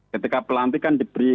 ketika pelantikan diberi